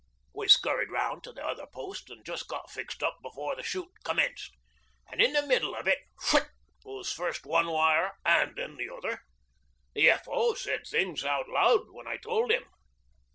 'We scurried round to the other post, and just got fixed up before the shoot commenced. And in the middle of it phutt goes first one wire an' then the other. The F.O. said things out loud when I told him.